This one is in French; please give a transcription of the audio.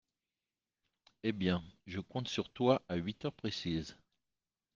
Eh bien, je compte sur toi à huit heures précises…